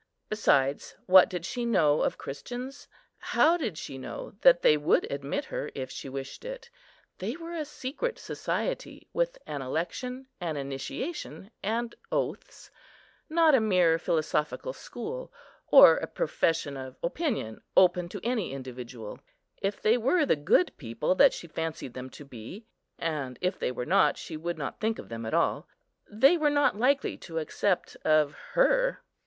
Besides, what did she know of Christians? How did she know that they would admit her, if she wished it? They were a secret society, with an election, an initiation, and oaths;—not a mere philosophical school, or a profession of opinion, open to any individual. If they were the good people that she fancied them to be,—and if they were not, she would not think of them at all,—they were not likely to accept of her.